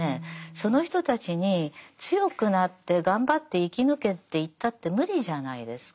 その人たちに強くなって頑張って生き抜けっていったって無理じゃないですか。